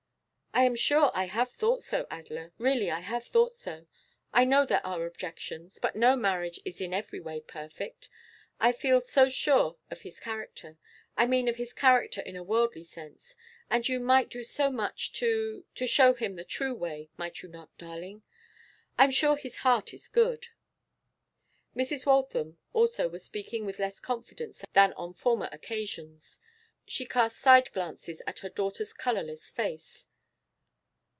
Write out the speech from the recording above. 'I am sure I have thought so, Adela; really I have thought so. I know there are objections, but no marriage is in every way perfect. I feel so sure of his character I mean of his character in a worldly sense. And you might do so much to to show him the true way, might you not, darling? I'm sure his heart is good.' Mrs. Waltham also was speaking with less confidence than on former occasions. She cast side glances at her daughter's colourless face.